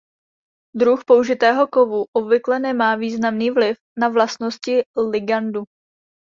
Druh použitého kovu obvykle nemá významný vliv na vlastnosti ligandu.